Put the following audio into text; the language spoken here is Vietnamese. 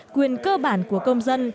quyền cơ bản của công dân